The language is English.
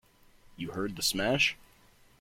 You heard the smash?